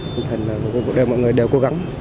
tinh thần mọi người đều cố gắng